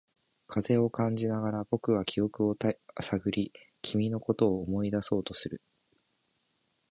風を感じながら、僕は記憶を漁り、君のことを思い出そうとする。